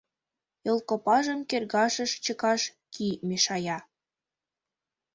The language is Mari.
Йолкопажым кӧргашыш чыкаш кӱ мешая.